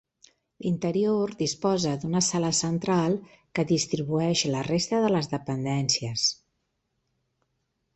L'interior disposa d'una sala central que distribueix la resta de les dependències.